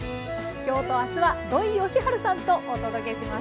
今日とあすは土井善晴さんとお届けします。